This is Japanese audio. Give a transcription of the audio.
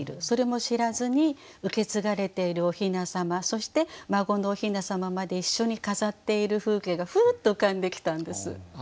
それも知らずに受け継がれているおひなさまそして孫のおひなさままで一緒に飾っている風景がふっと浮かんできたんです。